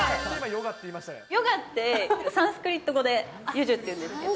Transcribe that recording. ヨガって、サンスクリット語で、ユジュっていうんですけど。